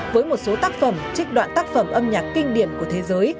với một số tác phẩm trích đoạn tác phẩm âm nhạc kinh điển của thế giới